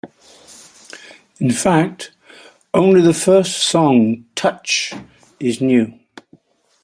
In fact, only the first song, "Touch", is new.